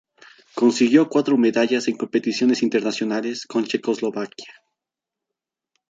Consiguió cuatro medallas en competiciones internacionales con Checoslovaquia.